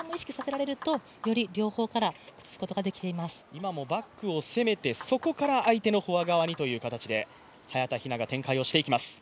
今もバックを攻めて、そこから相手のフォア側にという形で早田ひなが展開をしていきます。